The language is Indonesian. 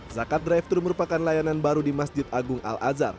zakat drive thru merupakan layanan baru di masjid agung al azhar